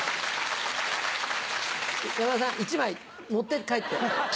山田さん１枚持って帰って。